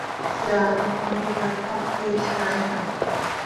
Seaatoj tanticat pac queelcam iha.